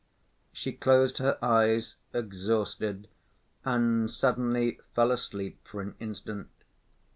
She closed her eyes, exhausted, and suddenly fell asleep for an instant.